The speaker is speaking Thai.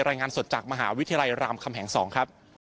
รายงานสดจากมหาวิทยาลัยรามคำแหง๒ครับ